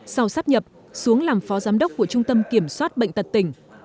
sau sắp nhập xuống làm phó giám đốc của trung tâm kiểm soát bệnh tật tỉnh